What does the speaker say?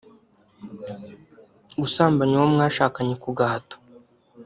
gusambanya uwo mwashakanye ku gahato